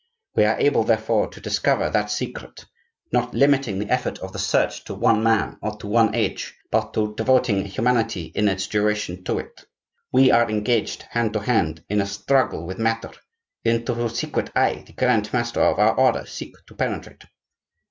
We are able, therefore, to discover that secret,—not limiting the effort of the search to one man or to one age, but devoting humanity in its duration to it. We are engaged, hand to hand, in a struggle with Matter, into whose secret, I, the grand master of our order, seek to penetrate.